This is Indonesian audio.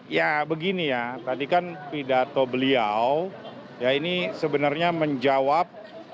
ya begini ya tadi kan pidato beliau ya ini sebenarnya menjawab